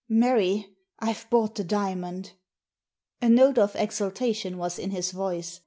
" Mary, I've bought the diamond." A note of exultation was in his voice.